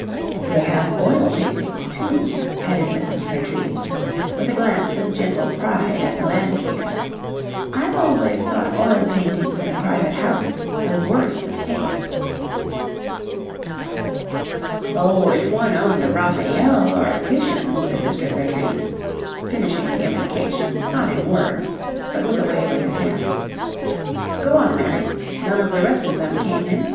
"They have oil paintings, too," added Mrs. Vertrees, with a glance of gentle pride at the Landseers. "I've always thought oil paintings in a private house the worst of taste." "Oh, if one owned a Raphael or a Titian!" said Mr. Vertrees, finishing the implication, not in words, but with a wave of his hand. "Go on, Mary. None of the rest of them came in?